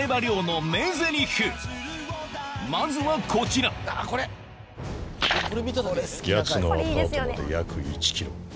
まずはこちらヤツのアパートまで約１ｋｍ。